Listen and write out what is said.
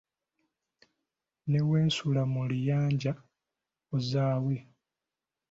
Ne weesula mu liyanja ozaawe.